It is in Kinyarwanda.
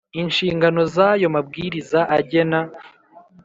inshingano z ayo mabwiriza agena